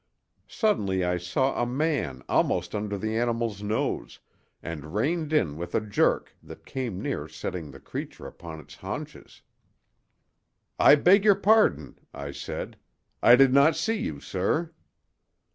Suddenly I saw a man almost under the animal's nose, and reined in with a jerk that came near setting the creature upon its haunches. "I beg your pardon," I said; "I did not see you, sir."